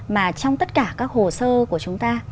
mà trong tất cả các hồ sơ của chúng ta